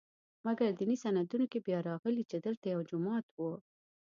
مګر دیني سندونو کې بیا راغلي چې دلته یو جومات و.